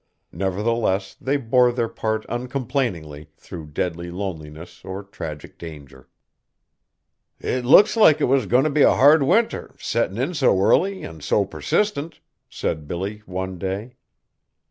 Nevertheless they bore their part uncomplainingly through deadly loneliness or tragic danger. "It looks like it was goin' t' be a hard winter, settin' in so early an' so persistent," said Billy one day.